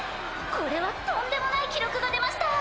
これはとんでもない記録が出ました